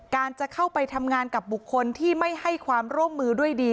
จะเข้าไปทำงานกับบุคคลที่ไม่ให้ความร่วมมือด้วยดี